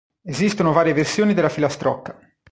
Esistono varie versioni della filastrocca.